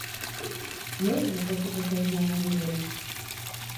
Noiz gertatuko zaigu guri hori?